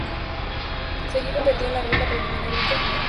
Su equipo perdió en la ronda preliminar del torneo.